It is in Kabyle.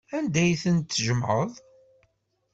Anda ay ten-tjemɛeḍ?